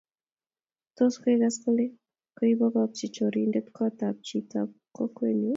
Tos kwegas kole koibokchi chorindet kot ab chit ab kokwenyu